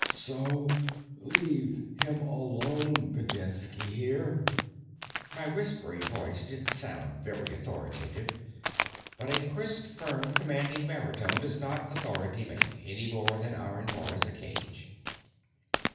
"So leave him alone, Videnski. Hear?" My whispery voice didn't sound very authoritative, but a crisp, firm, commanding baritone does not authority make, any more than iron bars a cage.